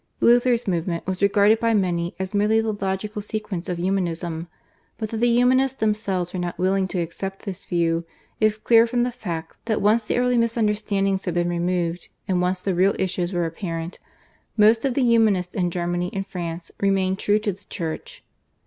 Luther's movement was regarded by many as merely the logical sequence of Humanism, but that the Humanists themselves were not willing to accept this view is clear from the fact that once the early misunderstandings had been removed, and once the real issues were apparent, most of the Humanists in Germany and France remained true to the Church.